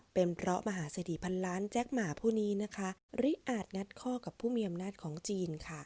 เพราะมหาสดีพันล้านแจ๊คหมาฮู่นี้ริอาจงัดข้อกับผู้เมียอำนาจของจีน